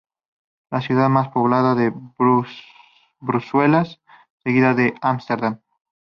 La ciudad más poblada es Bruselas, seguida de Ámsterdam.